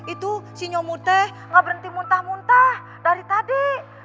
itu si nyomute gak berhenti muntah muntah dari tadi